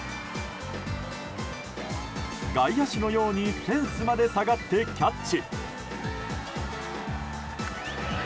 外野手のようにフェンスまで下がってキャッチ。